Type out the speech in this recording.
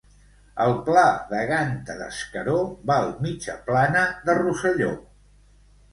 El pla de Ganta d'Escaró, val mitja plana de Rosselló.